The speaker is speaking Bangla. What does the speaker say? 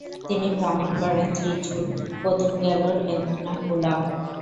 তিনি ভ্রমণ করেন ত্রিচুড়, কোদুনগ্যালোর, এর্নাকুলাম।